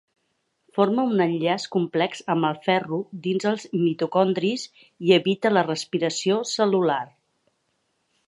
Forma un enllaç complex amb el ferro dins els mitocondris i evita la respiració cel·lular.